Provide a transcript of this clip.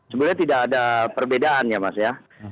sebenarnya tidak ada perbedaannya mas ya